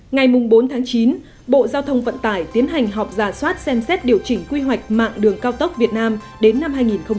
ngày bốn chín bộ giao thông vận tải tiến hành họp giả soát xem xét điều chỉnh quy hoạch mạng đường cao tốc việt nam đến năm hai nghìn ba mươi